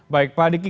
baik pak adiki